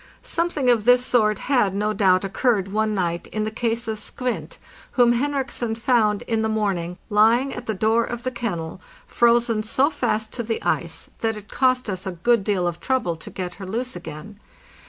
Something of this sort had, no doubt, occurred one night in the case of " Skvint,' whom Henriksen found in the morning lying at the door of the kennel frozen so fast to the ice that it cost us a good deal of trouble to get her loose again.